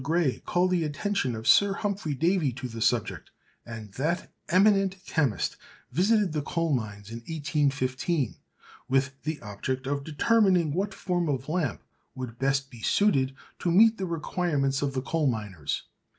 Gray called the attention of Sir Humphry Davy to the subject, and that eminent chemist visited the coal mines in 1815 with the object of determining what form of lamp would be best suited to meet the requirements of the coal miners.